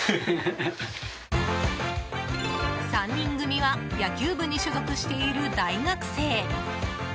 ３人組は野球部に所属している大学生。